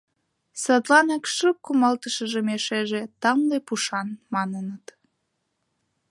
Садланак шып кумалтышым эшеже «тамле пушан» маныныт.